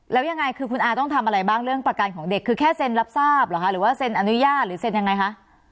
แล้วยังไงคือคุณอาต้องทำอะไรบ้างเรื่องประกันของเด็กคือแค่เซ็นรับทราบเหรอคะหรือว่าเซ็นอนุญาตหรือเซ็นยังไงคะ